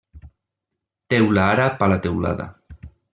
Teula àrab a la teulada.